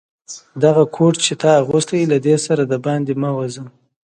دغه کوټ چي تا اغوستی، له دې سره دباندي مه وزه.